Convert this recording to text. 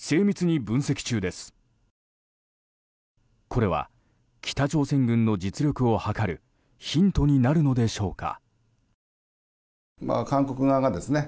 これは北朝鮮軍の実力を測るヒントになるのでしょうか。